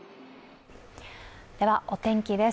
では、お天気です。